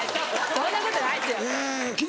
そんなことないですよ。